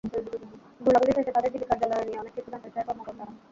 গোলাগুলি শেষে তাঁদের ডিবি কার্যালয়ে নিয়ে অনেক কিছু জানতে চান কর্মকর্তারা।